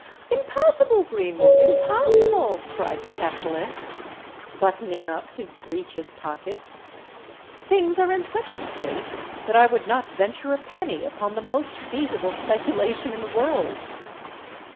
"Impossible, Greenwood—impossible!" cried the capitalist, buttoning up his breeches pockets. "Things are in such a state that I would not venture a penny upon the most feasible speculation in the world."